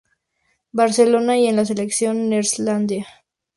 Barcelona y en la selección neerlandesa.